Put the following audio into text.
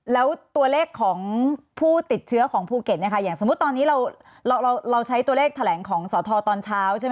แล้วตัวเลขของผู้ติดเชื้อของภูเก็ตอย่างสมมุติตอนนี้เราใช้ตัวเลขแถลงของสตตอนเช้า